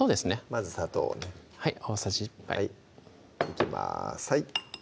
まず砂糖をね大さじ１杯はいいきます